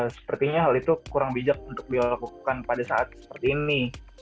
sepertinya hal itu kurang bijak untuk dilakukan pada saat seperti ini